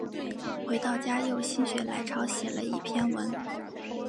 回到家又心血来潮写了一篇文